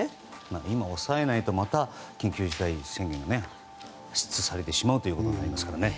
今、抑えないとまた緊急事態宣言が発出されてしまうことになりますから。